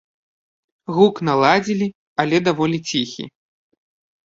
Гук наладзілі, але даволі ціхі.